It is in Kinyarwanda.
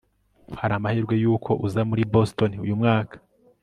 hari amahirwe yuko uza muri boston uyu mwaka